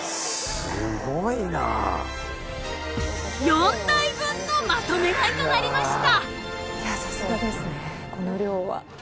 ［４台分のまとめ買いとなりました］